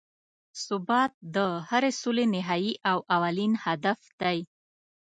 ثبات د هرې سولې نهایي او اولین هدف دی.